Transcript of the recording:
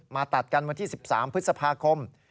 ตัดกันวันที่๑๓พฤษภาคม